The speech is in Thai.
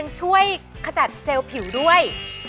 ช่วยขจัดเซลล์ผิวด้วย